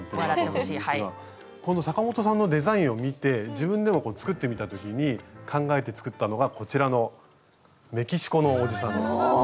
この阪本さんのデザインを見て自分でもこう作ってみた時に考えて作ったのがこちらのメキシコのおじさんです。